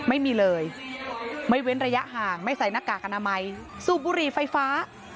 ไม่มีเลยไม่เว้นระยะห่างไม่ใส่หน้ากากอนามัยสูบบุหรี่ไฟฟ้า